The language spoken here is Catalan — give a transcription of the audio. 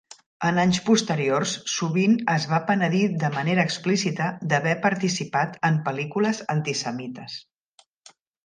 En anys posteriors, sovint es va penedir de manera explícita d'haver participat en pel·lícules antisemites.